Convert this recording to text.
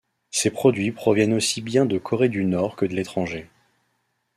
Ces produits proviennent aussi bien de Corée du Nord que de l'étranger.